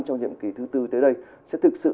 trong nhiệm kỳ thứ tư tới đây sẽ thực sự